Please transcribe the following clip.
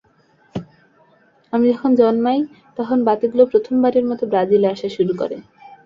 আমি যখন জন্মাই, তখন বাতিগুলো প্রথমবারের মতো ব্রাজিলে আসা শুরু করে।